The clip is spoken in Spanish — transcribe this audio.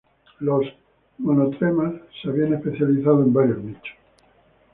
Los monotremas se habían especializado en varios nichos.